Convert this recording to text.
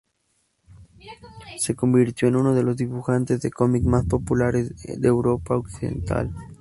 Se convirtió en uno de los dibujantes de cómic más populares de Europa occidental.